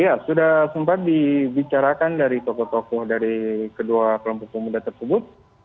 ya sudah sempat dibicarakan dari tokoh tokoh dari kedua kelompok pemuda tersebut